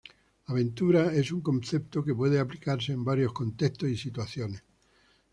Aventura es un concepto que puede aplicarse en varios contextos y situaciones.